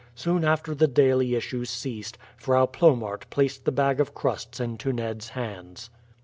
Soon after the daily issue ceased. Frau Plomaert placed the bag of crusts into Ned's hands.